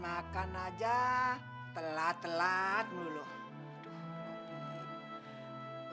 makan aja telat telat mulu lu